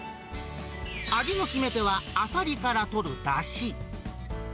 味の決め手はあさりから取るだし。